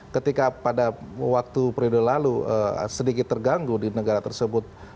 ketika pada waktu periode lalu sedikit terganggu di negara tersebut